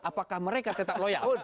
apakah mereka tetap loyal